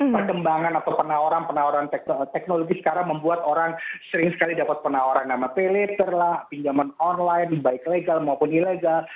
perkembangan atau penawaran penawaran teknologi sekarang membuat orang sering sekali dapat penawaran nama pay later lah pinjaman online baik legal maupun ilegal